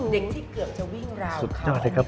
เด็กที่ไม่มีปัญญาหากินเด็กที่เกือบจะวิ่งราว